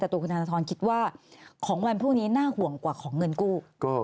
แต่ตัวคุณธนทรคิดว่าของวันพรุ่งนี้น่าห่วงกว่าของเงินกู้